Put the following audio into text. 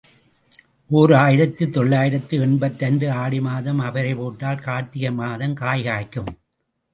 ஓர் ஆயிரத்து தொள்ளாயிரத்து எண்பத்தைந்து ஆடிமாதம் அவரை போட்டால் கார்ர்த்திகை மாதம் காய்காய்க்கும்.